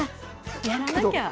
やらなきゃ。